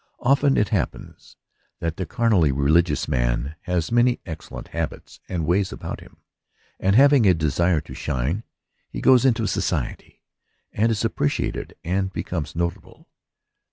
Often it happens that the carnally religious man has many excellent habits and ways about him ; and having a desire to shine, he goes into society, and is ap preciated and becomes notable.